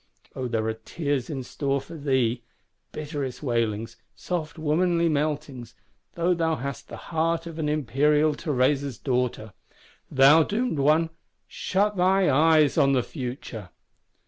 O there are tears in store for thee; bitterest wailings, soft womanly meltings, though thou hast the heart of an imperial Theresa's Daughter. Thou doomed one, shut thy eyes on the future!